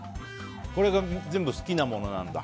これが全部好きなものなんだ。